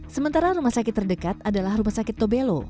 sementara rumah sakit terdekat adalah rumah sakit tobelo